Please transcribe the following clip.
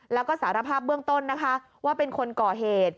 แล้วก็สารภาพเบื้องต้นนะคะว่าเป็นคนก่อเหตุ